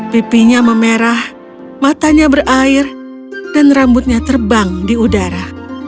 pipinya memerah matanya berair dan rambutnya terbang di udara